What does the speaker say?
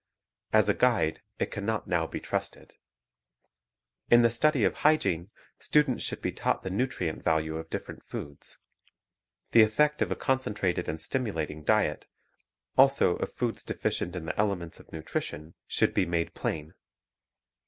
As a guide it can not now be trusted. In the study of hygiene, students should be taught the nutrient value of different foods. The effect of a concentrated and stimulating diet, also of foods defi cient in the elements of nutrition, should be made plain.